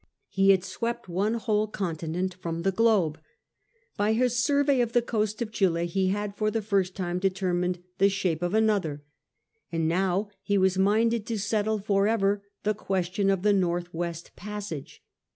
He had swept one whole con tinent from the globe ; by his survey of the coast of Chili he had for the first time determined the shape of another ; and now he was minded to settle for ever the question of the North West passage.